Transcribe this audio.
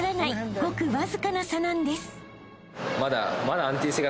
ごくわずかな差なんです］